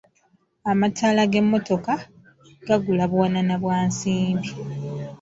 Amataala g’emmotoka gagula buwanana bwa nsimbi.